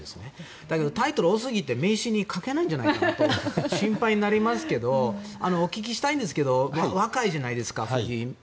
だけどタイトルが多すぎて名刺に書けないんじゃないかなと心配になりますけどお聞きしたいんですけど藤井さん、若いじゃないですか。